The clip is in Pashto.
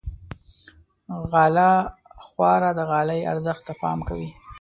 غاله خواره د غالۍ ارزښت ته پام کوي.